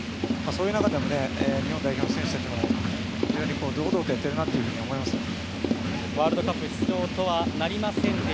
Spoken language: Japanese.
そういう中で日本代表の選手たちも非常に堂々とやっているなと思いますよね。